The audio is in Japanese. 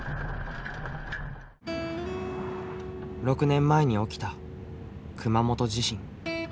６年前に起きた熊本地震。